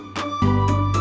sampai jumpa lagi